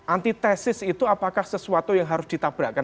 antitesis itu apakah sesuatu yang harus ditabrakkan